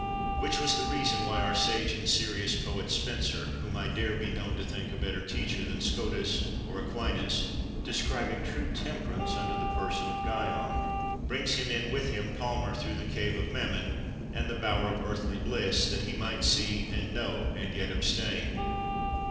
Which was the reason why our sage and serious poet Spenser, whom I dare be known to think a better teacher than Scotus or Aquinas, describing true temper ance under the person of Guion, brings him in with him palmer through the cave of Mammon, and the bower of earthly bliss, that he might see and know, and yet abstain.